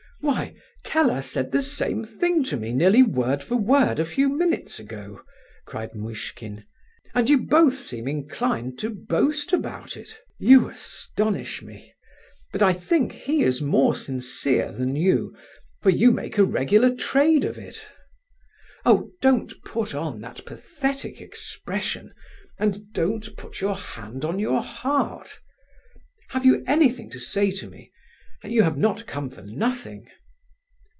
"Why, Keller said the same thing to me nearly word for word a few minutes ago!" cried Muishkin. "And you both seem inclined to boast about it! You astonish me, but I think he is more sincere than you, for you make a regular trade of it. Oh, don't put on that pathetic expression, and don't put your hand on your heart! Have you anything to say to me? You have not come for nothing..."